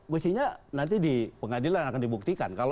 mestinya nanti di pengadilan akan dibuktikan